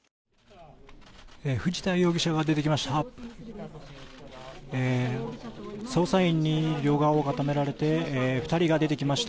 藤田容疑者が出てきました。